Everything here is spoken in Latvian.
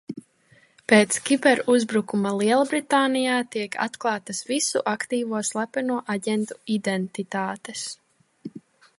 Pēc kiberuzbrukuma Lielbritānijā tiek atklātas visu aktīvo slepeno aģentu identitātes.